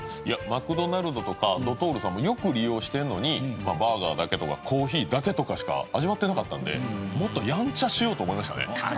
マクドナルドとかドトールさんもよく利用してるのにバーガーだけとかコーヒーだけとかしか味わってなかったんでもっとやんちゃしようと思いましたね。